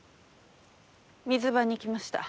水場に行きました。